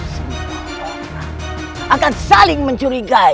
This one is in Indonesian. semua orang akan saling mencurigai